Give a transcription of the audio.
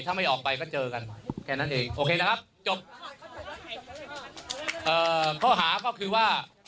ถ้าไม่ออกไปก็เจอกันแค่นั้นเองโอเคนะครับจบข้อหาก็คือว่า